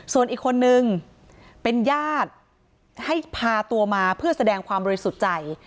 ส่วนอีกคนนึงเป็นญาติให้พาตัวมาเพื่อแสดงความบริสุทธิ์ใจ